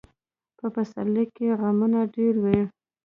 په پسرلي کې غمونه ډېر وي.